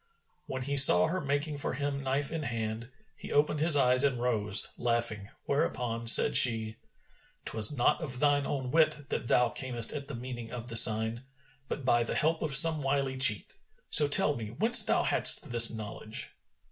When he saw her making for him knife in hand, he opened his eyes and rose, laughing; whereupon said she, "'Twas not of thine own wit, that thou camest at the meaning of the sign, but by the help of some wily cheat; so tell me whence thou hadst this knowledge."